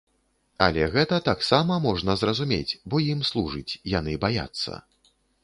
Але гэта таксама можна зразумець, бо ім служыць, яны баяцца.